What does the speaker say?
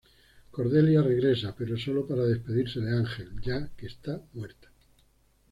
Cordelia regresa pero solo para despedirse de Ángel, ya que está muerta.